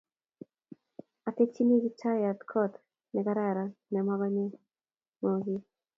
Atekchini Kiptayat kot nekararan ne mokonye ng'ogi